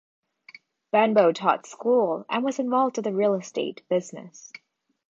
Benbow taught school and was involved with the real estate business.